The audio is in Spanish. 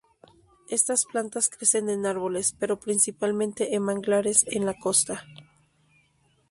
Estas plantas crecen en árboles pero principalmente en manglares en la costa.